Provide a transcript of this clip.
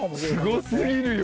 すごすぎるよ。